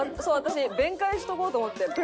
そう私弁解しとこうと思って。